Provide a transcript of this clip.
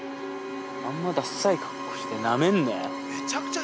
あんまダッサい格好してなめんなよ。